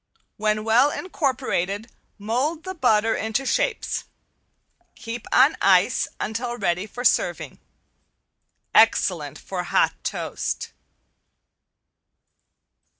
When well incorporated mold the butter into shapes. Keep on ice until ready for serving. Excellent for hot toast.